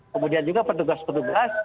kemudian juga petugas petugas